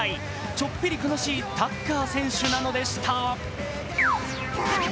ちょっぴり悲しいタッカー選手なのでした。